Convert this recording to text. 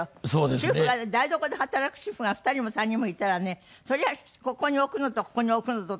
主婦が台所で働く主婦が２人も３人もいたらねそれはここに置くのとここに置くのとって。